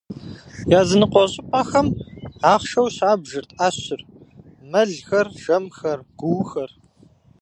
Языныкъуэ щӏыпӏэхэм ахъшэу щабжырт ӏэщыр: мэлхэр, жэмхэр, гуухэр.